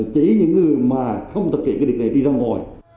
chỉ những người mà không thực hiện cái việc này đi ra ngoài